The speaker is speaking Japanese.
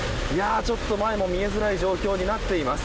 ちょっと前も見えづらい状況になっています。